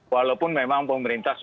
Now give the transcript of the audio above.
walaupun memang pemerintah sudah